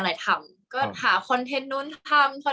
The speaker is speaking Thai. กากตัวทำอะไรบ้างอยู่ตรงนี้คนเดียว